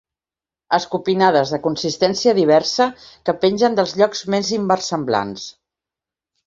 Escopinades de consistència diversa que pengen dels llocs més inversemblants.